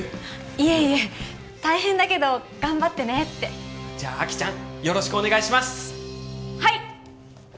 いえいえ大変だけど頑張ってねってじゃあきちゃんよろしくお願いしますはい！